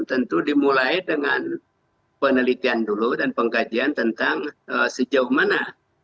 tentu dimulai dengan penelitian dulu dan pengkajian tentang sejauh mana